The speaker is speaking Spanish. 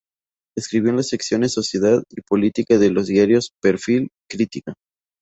Escribió en las secciones Sociedad y Política de los diarios "Perfil" y "Crítica".